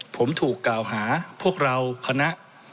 ผมถูกกล่าวหาพวกเราคณะ